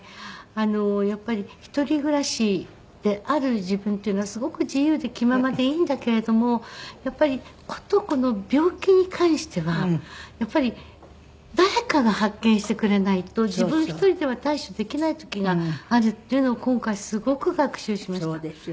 やっぱり一人暮らしである自分というのはすごく自由で気ままでいいんだけれどもやっぱりこと病気に関してはやっぱり誰かが発見してくれないと自分一人では対処できない時があるっていうのを今回すごく学習しました。